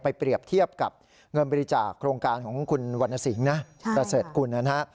ไปเปรียบเทียบกับเงินบริจาคโครงการของคุณวรรณสิงฯนะใช่ค่ะประเศษคุณนะฮะ